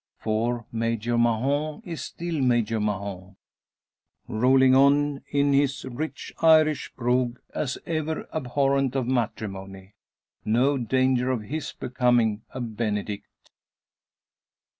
For Major Mahon is still Major Mahon, rolling on in his rich Irish brogue as ever abhorrent of matrimony. No danger of his becoming a Benedict!